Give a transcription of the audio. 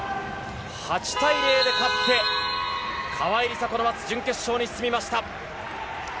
８対０で勝って川井梨紗子の待つ準決勝に進みました。